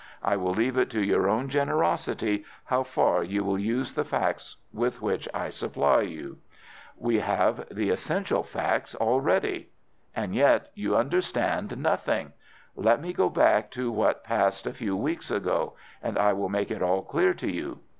I will leave it to your own generosity how far you will use the facts with which I supply you." "We have the essential facts already." "And yet you understand nothing. Let me go back to what passed a few weeks ago, and I will make it all clear to you.